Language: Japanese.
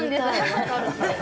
分かる。